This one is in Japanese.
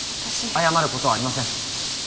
謝ることはありません。